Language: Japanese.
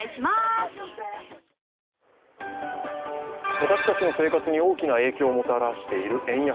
私たちの生活に大きな影響をもたらしている円安。